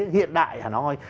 hiện đại hà nội